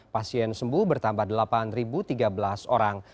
pasien sembuh bertambah delapan tiga belas orang